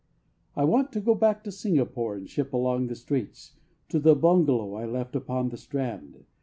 I want to go back to Singapore And ship along the Straits To the bungalow I left upon the strand.